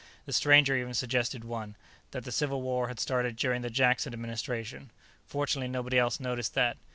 The stranger even suggested one that the Civil War had started during the Jackson Administration. Fortunately, nobody else noticed that.